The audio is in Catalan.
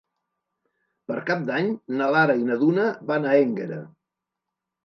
Per Cap d'Any na Lara i na Duna van a Énguera.